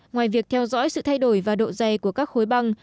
ngoài việc theo dõi sự thay đổi và độ dày của các khối băng